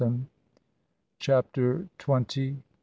CHAPTER TWENTY.